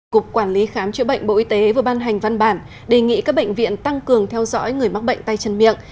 cục quản lý khám chữa bệnh bộ y tế vừa ban hành văn bản đề nghị các bệnh viện tăng cường theo dõi người mắc bệnh tay chân miệng